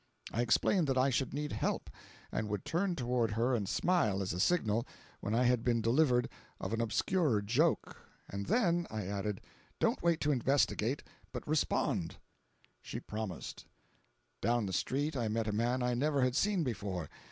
I explained that I should need help, and would turn toward her and smile, as a signal, when I had been delivered of an obscure joke—"and then," I added, "don't wait to investigate, but respond!" She promised. Down the street I met a man I never had seen before.